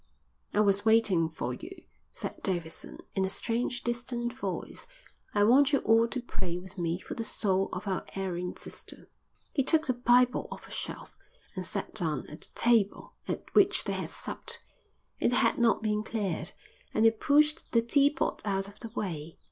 "I was waiting for you," said Davidson, in a strange, distant voice. "I want you all to pray with me for the soul of our erring sister." He took the Bible off a shelf, and sat down at the table at which they had supped. It had not been cleared, and he pushed the tea pot out of the way.